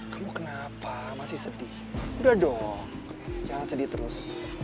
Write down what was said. kamu kenapa masih sedih udah dong jangan sedih terus